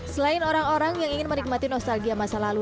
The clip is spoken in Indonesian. selain orang orang yang ingin menikmati nostalgia masa lalu